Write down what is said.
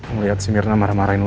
ngeliat si mirna marah marahin lo